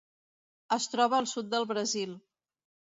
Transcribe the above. Es troba al sud del Brasil.